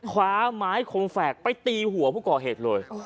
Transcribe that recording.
คว้าไม้คมแฝกไปตีหัวผู้ก่อเหตุเลย